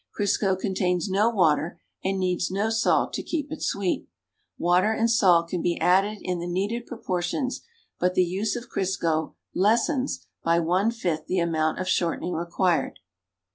Crisco contains no water and needs no salt to keep it sweet. Water and salt can be added in the needed proportions but the use of Crisco lessens by one fifth the amount of shortening required.